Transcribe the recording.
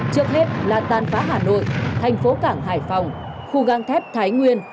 trước hết là tàn phá hà nội thành phố cảng hải phòng khu gang thép thái nguyên